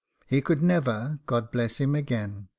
He could never, God bless him again!